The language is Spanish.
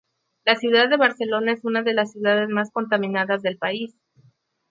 La ciudad de Barcelona es una de las ciudades más contaminadas del país.